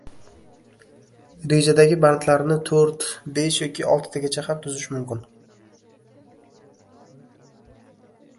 Rejadagi bandlarni to‘rt, besh yoki oltitagacha ham tuzish mumkin.